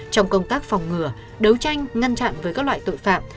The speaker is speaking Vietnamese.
trong công tác phòng ngừa đấu tranh ngăn chặn với các loại tội phạm